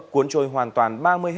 cuốn trôi hoàn toàn